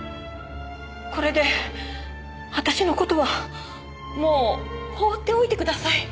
これで私の事はもう放っておいてください。